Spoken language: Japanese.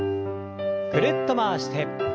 ぐるっと回して。